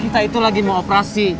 kita itu lagi mau operasi